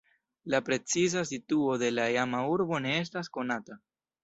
La preciza situo de la iama urbo ne estas konata.